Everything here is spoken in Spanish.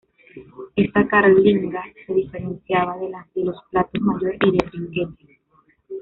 Esta carlinga se diferenciaba de la de los palos mayor y de trinquete.